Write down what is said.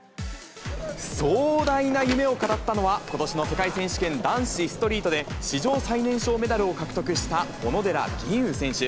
壮大な夢を語ったのは、ことしの世界選手権男子ストリートで、史上最年少メダルを獲得した小野寺吟雲選手。